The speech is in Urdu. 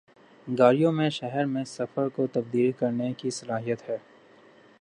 گاڑیوں میں شہر میں سفر کو تبدیل کرنے کی صلاحیت ہے